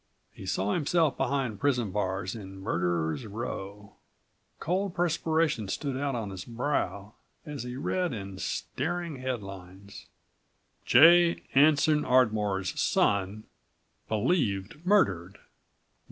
He saw himself behind prison bars in murderer's row. Cold perspiration stood out on his brow as he read in staring headlines: "J. ANSON ARDMORE'S SON BELIEVED MURDERED."